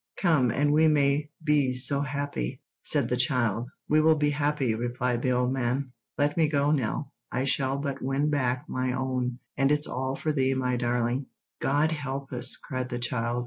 "Come, and we may be so happy," said the child. "We will be happy," replied the old man. "Let me go, Nell. I shall but win back my own; and it's all for thee, my darling." "God help us!" cried the child.